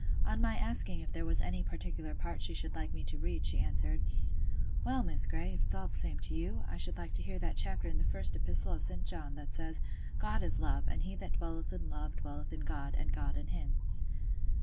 On my asking if there was any particular part she should like me to read, she answered— "Well, Miss Grey, if it's all the same to you, I should like to hear that chapter in the First Epistle of St. John, that says, 'God is love, and he that dwelleth in love dwelleth in God, and God in him.